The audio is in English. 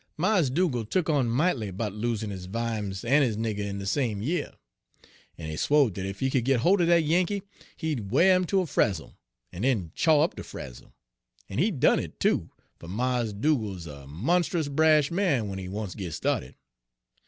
"Mars Dugal' tuk on might'ly 'bout losin' his vimes en his nigger in de same year; en he swo' dat ef he could git holt er dat Yankee he'd wear 'im ter a frazzle, en den chaw up de frazzle; en he'd done it, too, for Mars Dugal' 'uz a monst'us brash man w'en he once git started.